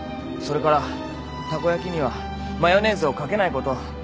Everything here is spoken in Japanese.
それからたこ焼きにはマヨネーズを掛けないこと。